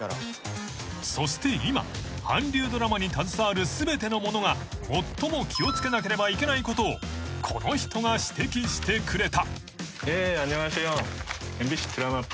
［そして今韓流ドラマに携わる全ての者が最も気を付けなければいけないことをこの人が指摘してくれた］